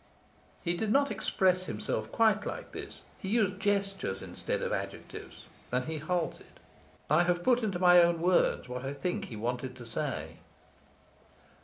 He did not express himself quite like this. He used gestures instead of adjectives, and he halted. I have put into my own words what I think he wanted to say.